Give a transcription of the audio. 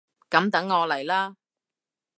噉等我嚟喇！